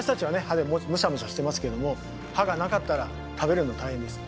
歯でむしゃむしゃしてますけども歯がなかったら食べるの大変です。